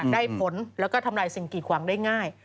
ได้ผลแล้วก็ทำลายสิ่งกีดขวางได้ง่าย